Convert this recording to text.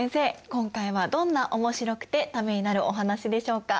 今回はどんなおもしろくてためになるお話でしょうか？